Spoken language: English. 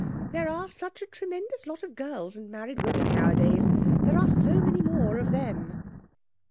There are such a tremendous lot of girls and married women nowadays, there are so many more of them.'